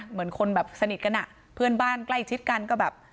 เหมือนคนแบบสนิทกันอ่ะเพื่อนบ้านใกล้ชิดกันก็แบบ